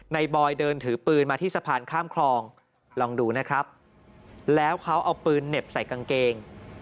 บอยเดินถือปืนมาที่สะพานข้ามคลองลองดูนะครับแล้วเขาเอาปืนเหน็บใส่กางเกง